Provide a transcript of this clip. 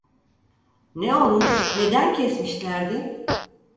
Ne olmuş, neden kesmişlerdi?